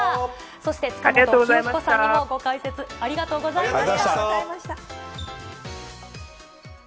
そして塚本清彦さんにも、ご解説ありがとうございました。